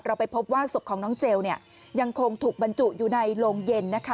ไปพบว่าศพของน้องเจลเนี่ยยังคงถูกบรรจุอยู่ในโรงเย็นนะคะ